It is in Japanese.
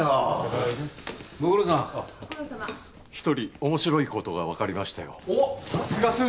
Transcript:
１人面白いことが分かりましたよ。